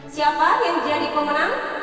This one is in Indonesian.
siapa yang jadi pemenang